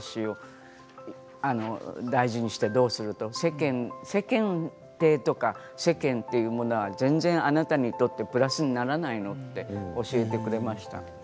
そうすると、その世間の物差し大事にしてどうすると世間体とか世間というもの全然あなたにとってプラスにならないと教えてくれました。